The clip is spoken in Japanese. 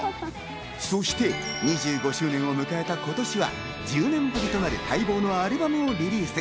そして２５周年を迎えた今年には１０年ぶりとなる待望のアルバムをリリース。